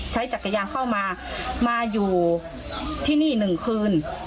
ใช้จักรยานเข้ามามาอยู่ที่นี่๑คืน